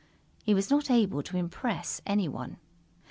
He was not able to impress anyone.